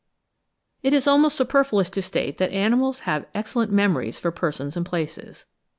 It is almost superfluous to state that animals have excellent MEMORIES for persons and places.